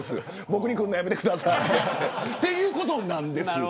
僕に来るのやめてくださいということなんですよ。